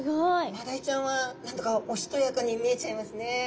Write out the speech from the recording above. マダイちゃんは何だかおしとやかに見えちゃいますね。